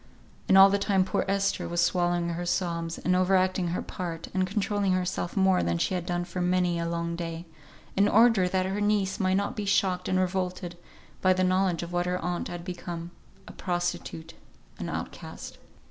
And all the time poor Esther was swallowing her sobs, and over acting her part, and controlling herself more than she had done for many a long day, in order that her niece might not be shocked and revolted, by the knowledge of what her aunt had become: a prostitute; an outcast.